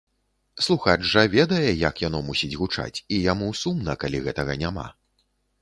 Слухач жа ведае, як яно мусіць гучаць, і яму сумна, калі гэтага няма.